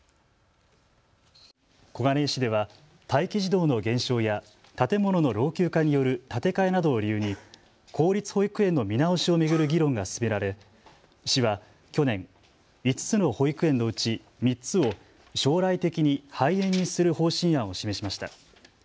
小金井市では待機児童の減少や建物の老朽化による建て替えなどを理由に公立保育園の見直しを巡る議論が進められ市は去年、５つの保育園のうち３つを将来的に廃園にする方針案を示しました。